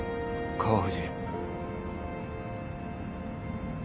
川藤！